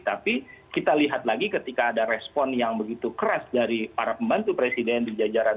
tapi kita lihat lagi ketika ada respon yang begitu keras dari para pembantu presiden di jajaran